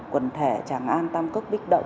quần thể tràng an tam cốc bích động